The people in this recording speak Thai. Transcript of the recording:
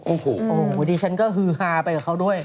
โอ้โฮวันนี้ฉันก็ฮือฮาไปกับเขาด้วย